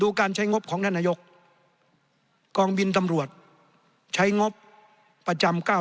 การใช้งบของท่านนายกกองบินตำรวจใช้งบประจำเก้า